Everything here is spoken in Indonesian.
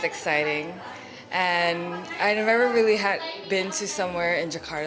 dan saya tidak pernah pernah pergi ke tempat tempat seperti ini di jakarta